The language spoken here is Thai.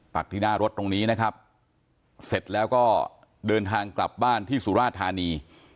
ที่หน้ารถตรงนี้นะครับเสร็จแล้วก็เดินทางกลับบ้านที่สุราธานี